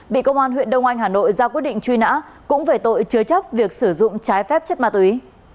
bị công an huyện đông anh hà nội ra quyết định truy nã cũng về tội chứa chấp việc sử dụng trái phép chất ma túy